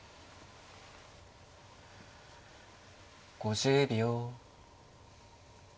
５０秒。